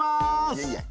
いやいや。